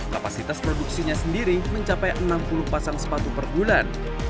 kapasitas produksinya sendiri mencapai enam puluh pasang sepatu per bulan